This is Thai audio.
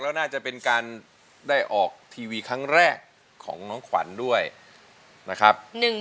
แล้วน่าจะเป็นการได้ออกทีวีครั้งแรกของน้องขวัญด้วยนะครับ